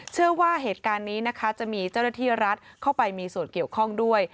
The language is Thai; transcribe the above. เชื่อว่าเหตุการณ์นี้นะคะจะมีเจ้าหน้าที่รัฐเข้าไปมีส่วนเกี่ยวข้องด้วย